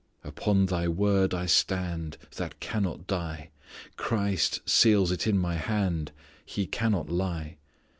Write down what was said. "Upon Thy Word I stand: That cannot die. Christ seals it in my hand. He cannot lie.